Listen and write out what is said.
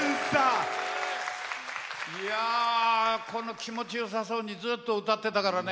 気持ちよさそうにずっと歌ってたからね